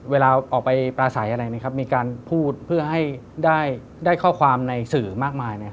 เวลาออกไปปราศัยอะไรมีการพูดเพื่อให้ได้ข้อความในสื่อมากมาย